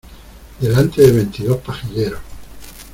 delante de veintidós pajilleros.